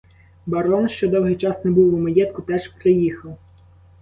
Барон, що довгий час не був у маєтку, теж приїхав.